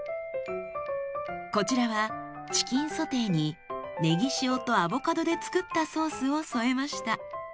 こちらはチキンソテーにねぎ塩とアボカドで作ったソースを添えました。